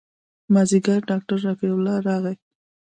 مازديګر ډاکتر رفيع الله راغى.